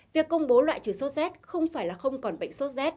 việc công bố loại trừ số z không phải là không còn bệnh sốt z